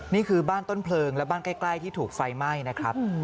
นี่คือบ้านต้นเพลิงและบ้านใกล้ที่ถูกไฟไหม้นะครับ